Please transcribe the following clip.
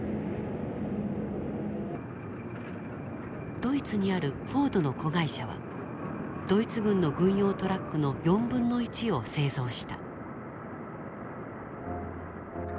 ドイツにあるフォードの子会社はドイツ軍の軍用トラックの1/4を製造した。